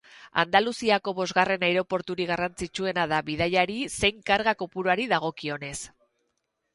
Andaluziako bosgarren aireporturik garrantzitsuena da, bidaiari zein karga kopuruari dagokionez.